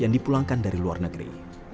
yang dipulangkan dari luar negeri